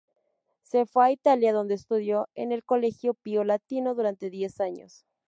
Se fue a Italia donde estudió en el Colegio Pío Latino durante diez años.